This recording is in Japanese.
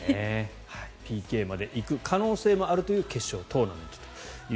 ＰＫまで行く可能性もある決勝トーナメントです。